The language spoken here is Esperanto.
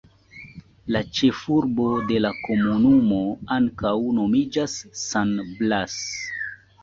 La ĉefurbo de la komunumo ankaŭ nomiĝas San Blas.